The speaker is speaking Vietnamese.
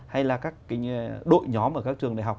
hay là các đội nhóm ở các trường đại học